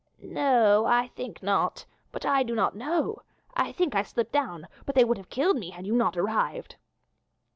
"No, I think not, but I do not know. I think I slipped down; but they would have killed me had you not arrived."